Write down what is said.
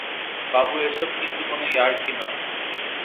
বাবু, এসব কিন্তু কোনো ইয়ার্কি নয়।